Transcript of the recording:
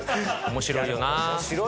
面白いよな。